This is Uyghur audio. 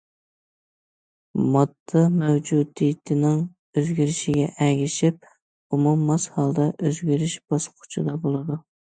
ماددا مەۋجۇدىيىتىنىڭ ئۆزگىرىشىگە ئەگىشىپ ئۇمۇ ماس ھالدا ئۆزگىرىش باسقۇچىدا بولىدۇ.